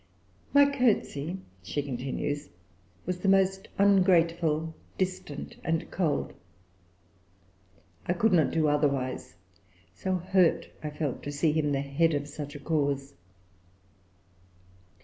"My curtsy," she continues, "was the most ungrateful, distant, and cold; I could not do otherwise; so hurt I felt to see him the head of such a cause."